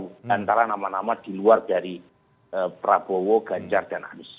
antara nama nama di luar dari prabowo ganjar dan anies